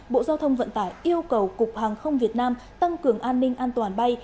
bộ giao thông vận tải yêu cầu cục hàng không việt nam tăng cường an ninh an toàn bay